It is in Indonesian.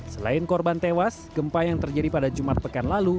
selain korban tewas gempa yang terjadi pada jumat pekan lalu